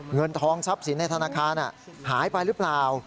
เงินทองทรัพย์สินในธนาคารหายไปหรือเปล่า